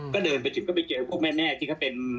ก็เดินไปถึงก็ไปเจอพวกแม่ที่เขาเป็น